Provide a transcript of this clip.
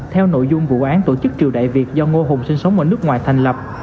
theo nội dung vụ án tổ chức triều đại việt do ngô hùng sinh sống ở nước ngoài thành lập